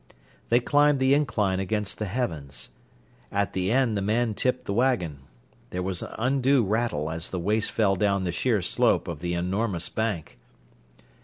They climbed the incline against the heavens. At the end the man tipped the wagon. There was an undue rattle as the waste fell down the sheer slope of the enormous bank.